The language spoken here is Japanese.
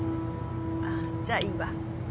ああじゃあいいわ。